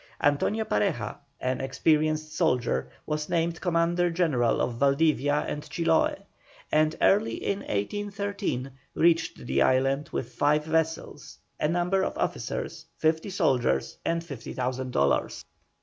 Antonio Pareja, an experienced soldier, was named Commandant General of Valdivia and Chiloe, and early in 1813 reached the island with five vessels, a number of officers, fifty soldiers, and fifty thousand dollars.